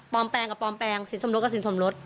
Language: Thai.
แปลงกับปลอมแปลงสินสมรสกับสินสมรส